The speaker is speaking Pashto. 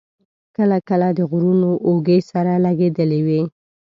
کله کله د غرونو اوږې سره لګېدلې وې.